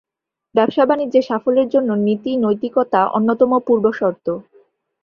ব্যবসা বাণিজ্যে সাফল্যের জন্য নীতিনৈতিকতা অন্যতম পূর্বশর্ত।